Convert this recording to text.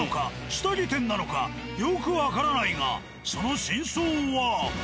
下着店なのかよくわからないがその真相は？